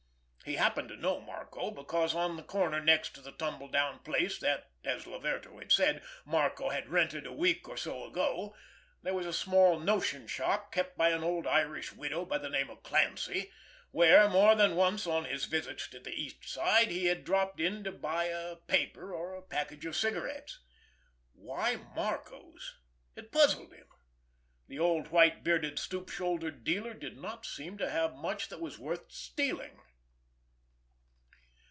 He happened to know Marco, because on the corner next to the tumble down place that, as Laverto had said, Marco had rented a week or so ago, there was a small notion shop kept by an old Irish widow by the name of Clancy, where, more than once on his visits to the East Side, he had dropped in to buy a paper or a package of cigarettes. Why Marco's? It puzzled him. The old white bearded, stoop shouldered dealer did not seem to have much that was worth stealing!